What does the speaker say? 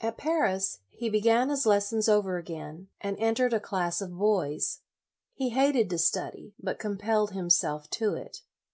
At Paris, he began his lessons over again, and entered a class of boys. He hated to study, but compelled himself to it.